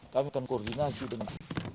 kami akan koordinasi dengan